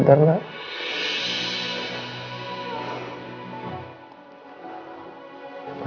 masih ada hikmah besar